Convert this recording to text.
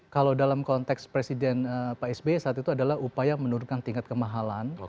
kalau dalam konteks presiden pak sby saat itu adalah upaya menurunkan tingkat kemahalan